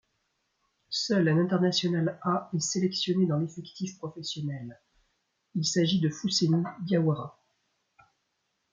Seul un international A est sélectionné dans l'effectif professionnel, il s'agit de Fousseni Diawara.